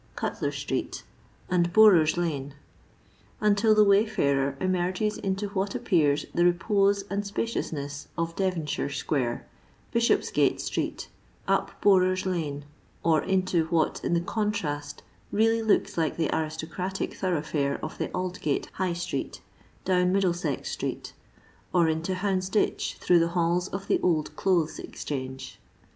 Cutler street, and Borer s lane, until the wayfarer emerges into what appears the repose and spa I ciousness of Devonshire square, Bishopsgate strect, up Borer's lane, or into what in the contrast really looks like the aristocratic thoroughfaro of the Aldgate High street, down Middlesex street; or into Houndsditch through the halls of the Old Clothes Exchange.